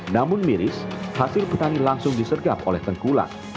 namun miris hasil petani langsung disergap oleh tengkulak